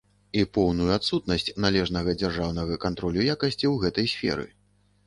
І поўную адсутнасць належнага дзяржаўнага кантролю якасці ў гэтай сферы.